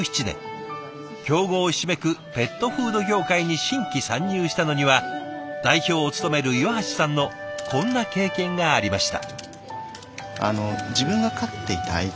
強豪ひしめくペットフード業界に新規参入したのには代表を務める岩橋さんのこんな経験がありました。